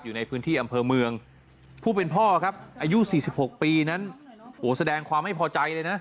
อยู่ในพื้นที่อำเภอเมืองผู้เป็นพ่อครับอายุ๔๖ปีนั้นโอ้โหแสดงความไม่พอใจเลยนะ